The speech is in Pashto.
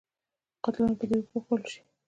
قاتلان په دې وپوهول شي.